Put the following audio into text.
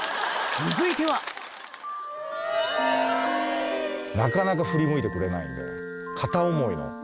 続いてはなかなか振り向いてくれないんで。